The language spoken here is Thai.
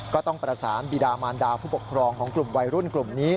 ก็ต้องประสานบีดามารดาผู้ปกครองของกลุ่มวัยรุ่นกลุ่มนี้